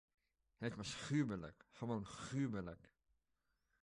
Het was gruwelijk, gewoon gruwelijk.